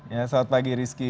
ya selamat pagi rizky